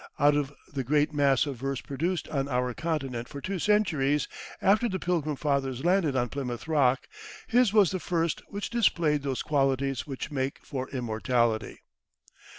Out of the great mass of verse produced on our continent for two centuries after the Pilgrim Fathers landed on Plymouth Rock, his was the first which displayed those qualities which make for immortality.